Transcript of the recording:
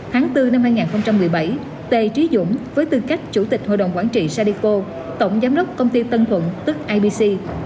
tháng bốn năm hai nghìn một mươi bảy tê trí dũng với tư cách chủ tịch hội đồng quản trị sadico tổng giám đốc công ty tân thuận tức ibc